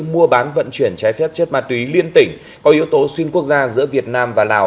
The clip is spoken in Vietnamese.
mua bán vận chuyển trái phép chất ma túy liên tỉnh có yếu tố xuyên quốc gia giữa việt nam và lào